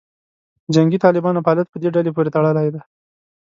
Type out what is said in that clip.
جنګي طالبانو فعالیت په دې ډلې پورې تړلې.